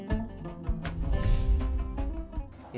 apa kisah yang